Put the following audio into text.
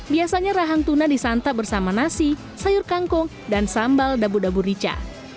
biasanya rahang tuna disantap bersama nasi sayur kangkung dan sambal dabu dabu rica